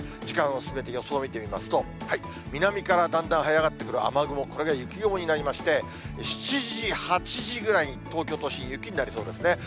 時間を進めて予想を見てみますと、南からだんだん、はい上がってくる雨雲、これが雪雲になりまして、７時、８時ぐらいに、東京都心、雪になりそうですね。